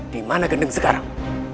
dimana gendeng sekarang